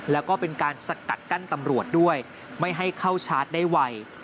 และเป็นการสกัดกั้นตำรวจไม่ให้เข้าชาร์จได้วัย